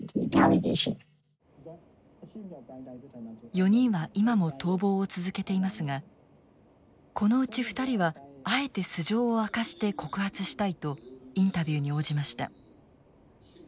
４人は今も逃亡を続けていますがこのうち２人はあえて素性を明かして告発したいとインタビューに応じました。